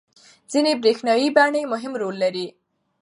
ځینې برېښنايي بڼې مهم رول لري.